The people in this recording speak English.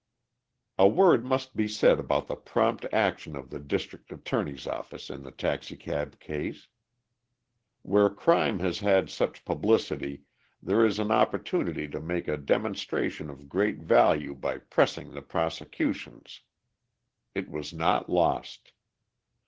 A word must be said about the prompt action of the District Attorney's office in the taxicab case. Where crime has had such publicity there is an opportunity to make a demonstration of great value by pressing the prosecutions. It was not lost.